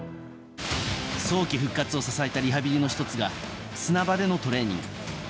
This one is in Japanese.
早期復活を支えたリハビリの１つが砂場でのトレーニング。